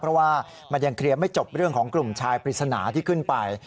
เพราะว่ามันยังเคลียร์ไม่จบเรื่องของกลุ่มชายปริศนาที่ขึ้นไป